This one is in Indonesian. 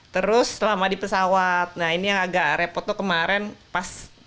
terus selama di pesawat nah ini yang agak repot tuh kemarin pas